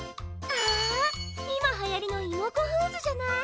あいまはやりのイモコフーズじゃない！